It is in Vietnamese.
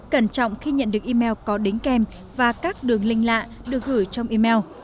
cẩn trọng khi nhận được email có đính kèm và các đường link lạ được gửi trong email